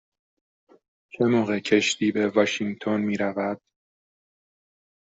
چه موقع کشتی به واشینگتن می رود؟